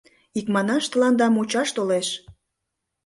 Икманаш, тыланда мучаш толеш.